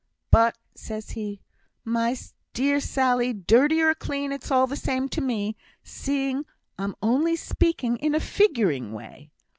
But, says he, 'My dear Sally, dirty or clean it's all the same to me, seeing I'm only speaking in a figuring way.